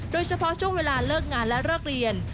ช่วงเวลาเลิกงานและเลิกเรียน